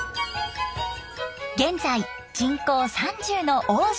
現在人口３０の奥武島。